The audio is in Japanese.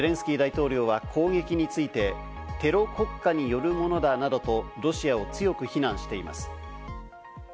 ゼレンスキー大統領は攻撃について、テロ国家によるものだなどと、ロシアを強く非難しています。